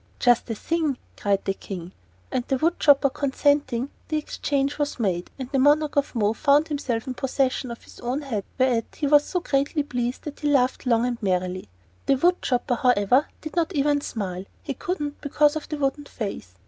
"Just the thing!" cried the King; and, the wood chopper consenting, the exchange was made, and the Monarch of Mo found himself in possession of his own head again, whereat he was so greatly pleased that he laughed long and merrily. The wood chopper, however, did not even smile. He couldn't because of the wooden face.